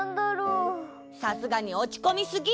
さすがにおちこみすぎ！